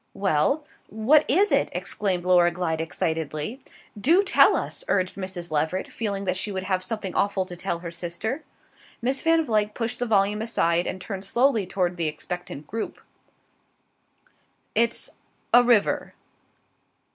"Well, what is it?" exclaimed Laura Glyde excitedly. "Do tell us!" urged Mrs. Leveret, feeling that she would have something awful to tell her sister. Miss Van Vluyck pushed the volume aside and turned slowly toward the expectant group. "It's a river."